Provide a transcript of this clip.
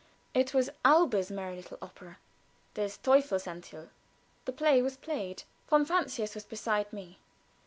It was Auber's merry little opera, "Des Teufels Antheil." The play was played. Von Francius was beside me.